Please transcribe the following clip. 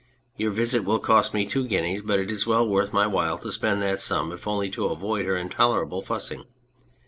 Your visit will cost me two guineas ; but it is well worth my while to spend that sum if only to avoid her intolerable fussing.